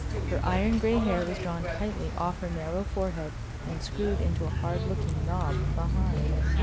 Her iron gray hair was drawn tightly off her narrow forehead and screwed into a hard looking knob behind.